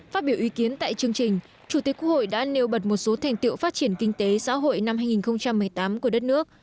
phát biểu ý kiến tại chương trình chủ tịch quốc hội đã nêu bật một số thành tiệu phát triển kinh tế xã hội năm hai nghìn một mươi tám của đất nước